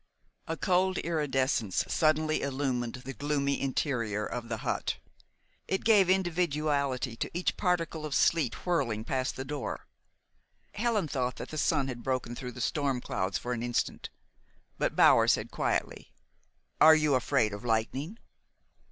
A cold iridescence suddenly illumined the gloomy interior of the hut. It gave individuality to each particle of sleet whirling past the door. Helen thought that the sun had broken through the storm clouds for an instant; but Bower said quietly: "Are you afraid of lightning?"